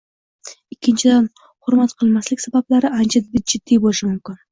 Ikkinchidan, hurmat qilmaslik sabablari ancha jiddiy bo‘lishi mumkin.